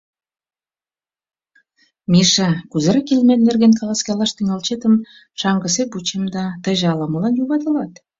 — Миша, кузерак илымет нерген каласкалаш тӱҥалчетым шаҥгысек вучем да, тыйже ала-молан юватылат.